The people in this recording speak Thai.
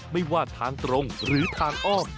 ไม่ว่าทางตรงหรือทางอ้อม